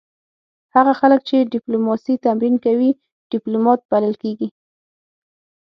هغه خلک چې ډیپلوماسي تمرین کوي ډیپلومات بلل کیږي